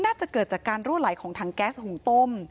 น่าจะเกิดจากการรั่วไหลของถังแก๊สหุงต้ม